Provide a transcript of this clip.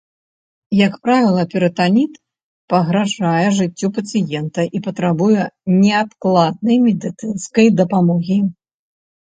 Як правіла, перытаніт пагражае жыццю пацыента і патрабуе неадкладнай медыцынскай дапамогі.